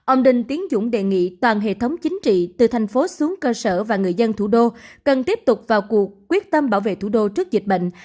ông đinh tiến dũng đề nghị toàn hệ thống chính trị từ thành phố xuống cơ sở và người dân thủ đô cần tiếp tục vào cuộc quyết tâm bảo vệ thủ đô trước dịch bệnh